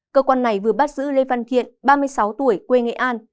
cơ quan này vừa bắt giữ lê văn thiện ba mươi sáu tuổi quê nghệ an